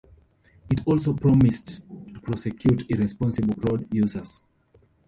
It also promised to prosecute irresponsible road users.